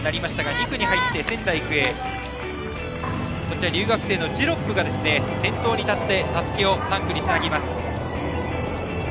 ２区に入って仙台育英留学生のジェロップが先頭に立ってたすきを３区につなぎます。